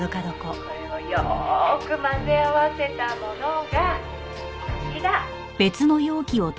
「これをよく混ぜ合わせたものがこちら」